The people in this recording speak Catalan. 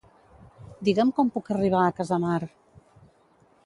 Digue'm com puc arribar a Casamar.